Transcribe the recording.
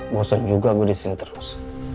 bosen juga gue disini terus